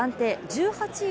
１８位